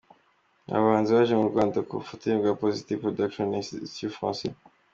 Aba bahanzi baje mu Rwanda ku bufatanye bwa Positive Production na Insitut Français.